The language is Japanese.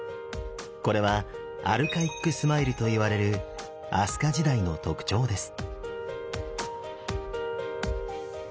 これはアルカイックスマイルといわれる飛鳥時代の特徴です。